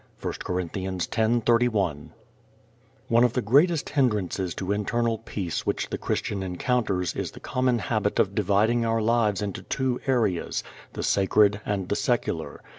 I Cor. 10:31 One of the greatest hindrances to internal peace which the Christian encounters is the common habit of dividing our lives into two areas, the sacred and the secular.